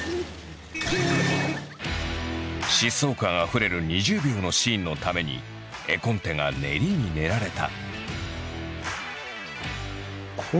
疾走感あふれる２０秒のシーンのために絵コンテが練りに練られた。